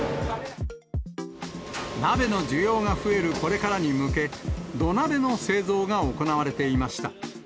鍋の需要が増えるこれからに向け、土鍋の製造が行われていました。